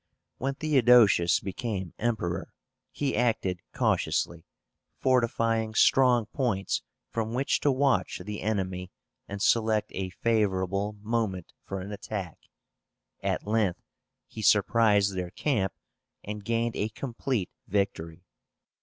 When Theodosius became Emperor, he acted cautiously, fortifying strong points from which to watch the enemy and select a favorable moment for an attack. At length he surprised their camp and gained a complete victory.